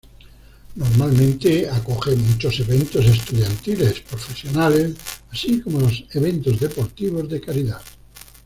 Normalmente acoge muchos eventos estudiantiles, profesionales, así como los eventos deportivos de caridad.